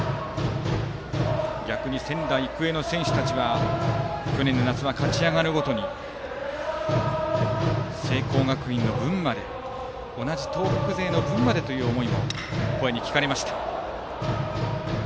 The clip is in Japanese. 逆に仙台育英の選手たちは去年の夏は勝ち上がるごとに聖光学院の分まで同じ東北勢の分までという思いも聞かれました。